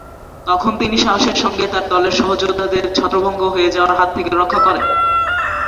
তখন তিনি সাহসের সঙ্গে তার দলের সহযোদ্ধাদের ছত্রভঙ্গ হয়ে যাওয়ার হাত থেকে রক্ষা করেন।